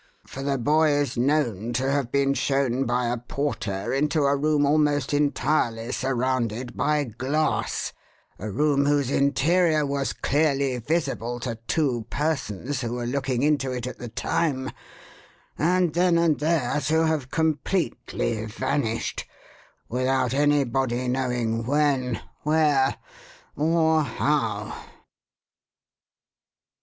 For the boy is known to have been shown by a porter into a room almost entirely surrounded by glass a room whose interior was clearly visible to two persons who were looking into it at the time and then and there to have completely vanished without anybody knowing when, where, or how."